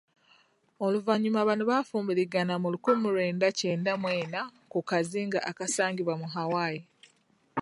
Oluvannyuma bano bafumbirigana mu lukumi mu lwenda kyenda mu ena ku kazinga akasangibwa mu Hawai.